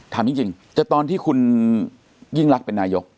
ถามจริงแต่ตอนที่คุณยิ่งรักเป็นนายก